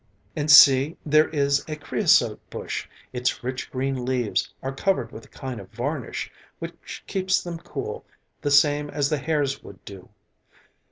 "And see, there is a creosote bush, its rich green leaves are covered with a kind of varnish which keeps them cool the same as the hairs would do.